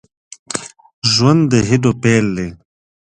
ژوند د هيلو پيل دی